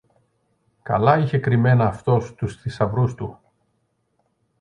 Καλά είχε κρυμμένα αυτός τους θησαυρούς του!